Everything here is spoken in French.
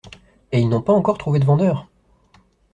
Et ils n'ont pas encore trouvé de vendeur!